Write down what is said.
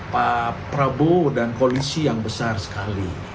pak prabowo dan koalisi yang besar sekali